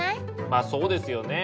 まあそうですよね。